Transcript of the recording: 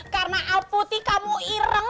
karena alputi kamu ireng